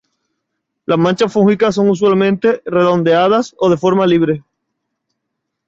Las manchas fúngicas son usualmente redondeadas o de forma libre.